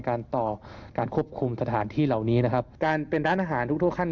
กันต่อการควบคุมสถานที่เหล่านี้นะครับอ่าเป็นและอาหารทุกขั้น